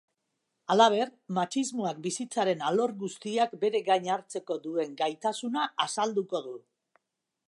Halaber, matxismoak bizitzaren alor guztiak bere gain hartzeko duen gaitasuna azalduko du.